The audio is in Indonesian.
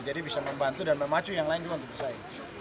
jadi bisa membantu dan memacu yang lain juga untuk pesaing